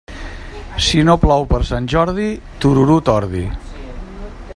Si no plou per Sant Jordi, tururut ordi.